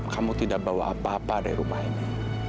kamu tidak bawa apa apa dari rumah ini